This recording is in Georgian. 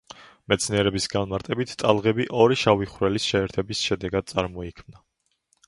მეცნიერების განმარტებით, ტალღები ორი შავი ხვრელის შეერთების შედეგად წარმოიქმნა.